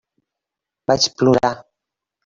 Vaig plorar.